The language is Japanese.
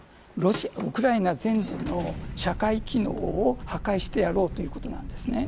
ウクライナ全土の社会機能を破壊してやろうということなんです。